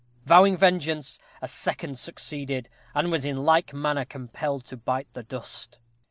Vowing vengeance, a second succeeded, and was in like manner compelled to bite the dust.